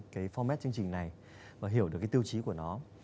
cái formed chương trình này và hiểu được cái tiêu chí của nó